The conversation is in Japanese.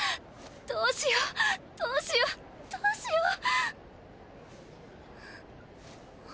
どうしようどうしようどうしよう。